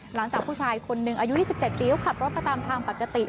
หลังจากผู้ชายคนหนึ่งอายุ๒๗ปีเขาขับรถมาตามทางปกติ